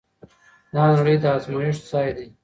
دا نړۍ د ازمويښت ځای دی.